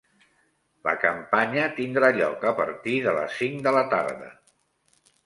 La campanya tindrà lloc a partir de les cinc de la tarda.